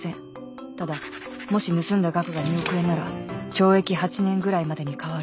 ただもし盗んだ額が２億円なら懲役８年ぐらいまでに変わる